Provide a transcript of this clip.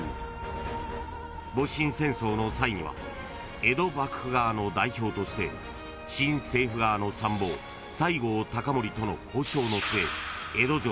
［戊辰戦争の際には江戸幕府側の代表として新政府側の参謀西郷隆盛との交渉の末］